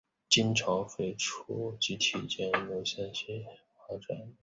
积体电路